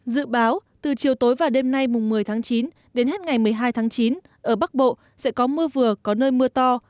dự báo từ chiều tối và đêm nay mùng một mươi tháng chín đến hết ngày một mươi hai tháng chín ở bắc bộ sẽ có mưa vừa có nơi mưa to